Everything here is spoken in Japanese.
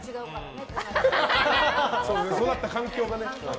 育った環境がね。